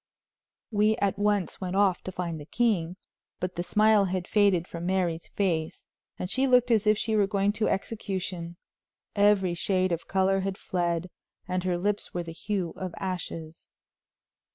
We at once went off to find the king, but the smile had faded from Mary's face, and she looked as if she were going to execution. Every shade of color had fled, and her lips were the hue of ashes.